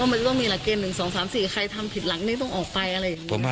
มันจะต้องมีหลักเกณฑ์๑๒๓๔ใครทำผิดหลังนี้ต้องออกไปอะไรอย่างนี้